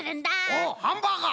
おっハンバーガー！